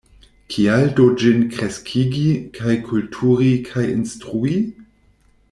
Kial do ĝin kreskigi kaj kulturi kaj instrui?